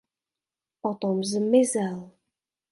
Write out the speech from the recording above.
Potom zmizel.